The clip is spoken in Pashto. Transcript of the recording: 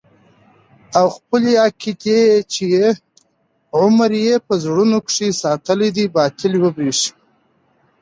او خپلې عقيدې چې يو عمر يې په زړونو کښې ساتلې دي باطلې وبريښي.